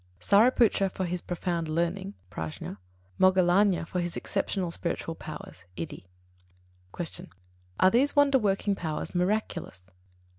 Sāriputra for his profound learning (Prajña), Moggallāna for his exceptional spiritual powers (Iddhi). 84. Q. _Are these wonder working powers miraculous?